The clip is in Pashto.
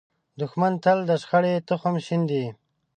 دښمن تل د شخړې تخم شیندي